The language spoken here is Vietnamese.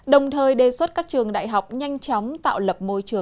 đồng thời đề xuất các trường đại học nhanh chóng tạo lệnh